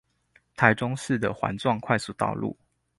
臺中市的環狀快速公路